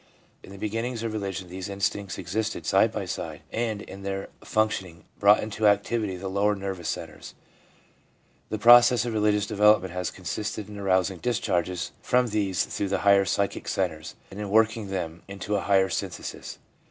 In the beginnings of religion these instincts existed side by side, and, in their functioning, brought into activity the lower nervous centres. The process of religious development has consisted in arousing discharges from these through the higher pcychic centres, and in work ing them into a higher synthesis.